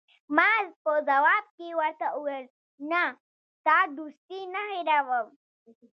ما په ځواب کې ورته وویل: نه، ستا دوستي نه هیروم.